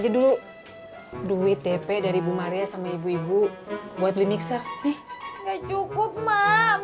takut pertanyaannya susah susah